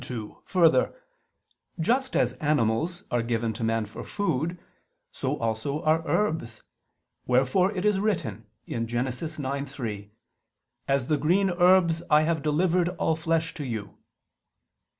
2: Further, just as animals are given to man for food, so also are herbs: wherefore it is written (Gen. 9:3): "As the green herbs have I delivered all" flesh "to you."